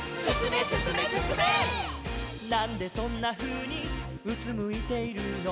「なんでそんなふうにうつむいているの」